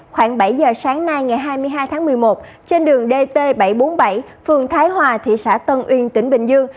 khoảng bảy giờ sáng nay ngày hai mươi hai tháng một mươi một trên đường dt bảy trăm bốn mươi bảy phường thái hòa thị xã tân uyên tỉnh bình dương